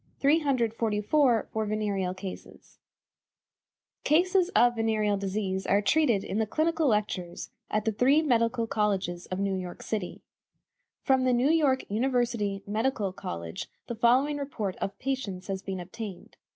ven. cases. 1854 9,264 277 1855 11,581 347 1856 11,477 344 Cases of venereal disease are treated in the Clinical Lectures at the three medical colleges of New York City. From the New York University Medical College the following report of patients has been obtained.